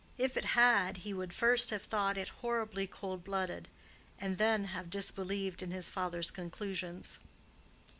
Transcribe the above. If it had, he would first have thought it horribly cold blooded, and then have disbelieved in his father's conclusions.